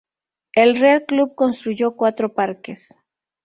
El Real Club construyó cuatro parques.